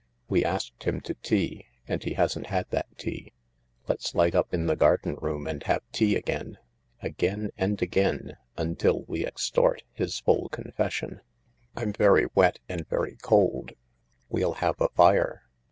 We asked him to tea and he hasn't had that tea. Let's light up in the garden room and have tea again— again and again, until we extort his full confession. I'm very wet and very cold. We'll have a fire.